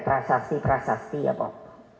prasasti prasasti ya pak